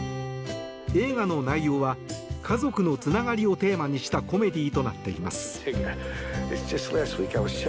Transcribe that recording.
映画の内容は「家族のつながり」をテーマにしたコメディーとなっています。